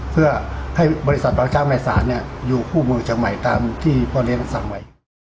เพื่อให้บริษัทปางช้างในศาลอยู่ภูมิเมืองจังห์ใหม่ตามที่พ่อเรียนสั่งไว้